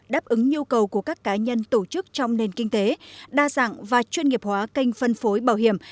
đáp ứng nhu cầu của các cá nhân tổ chức trong nền kinh tế đa dạng và chuyên nghiệp hóa kênh phân phối bảo hiểm